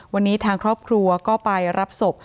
วันนี้ทางครอบครัวก็ไปรับศพ